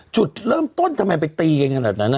จุดเริ่มต้นทำไมไปตีกันขนาดนั้น